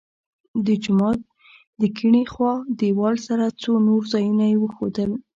د جومات د کیڼې خوا دیوال سره څو نور ځایونه یې وښودل.